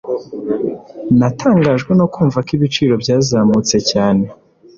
Natangajwe no kumva ko ibiciro byazamutse cyane